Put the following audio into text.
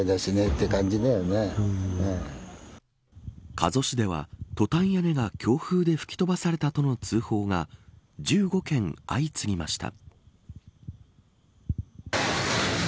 加須市ではトタン屋根が強風で吹き飛ばされたとの通報が１５件相次ぎました。